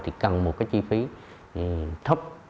thì cần một chi phí thấp